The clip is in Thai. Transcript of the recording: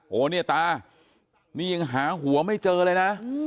โอ้โหเนี่ยตานี่ยังหาหัวไม่เจอเลยนะ